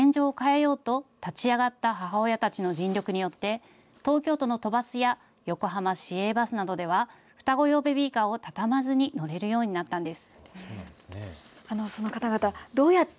ですが、この現状を変えようと立ち上がった母親たちの尽力によって東京都の都バスや横浜市営バスなどでは双子用ベビーカーを畳まずに乗れるようになったんです。